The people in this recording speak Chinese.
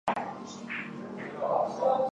瓦唐下梅内特雷奥勒人口变化图示